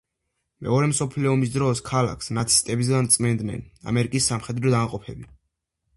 მეორე მსოფლიო ომის დროს ქალაქს ნაცისტებისგან წმენდნენ ამერიკის სამხედრო დანაყოფები.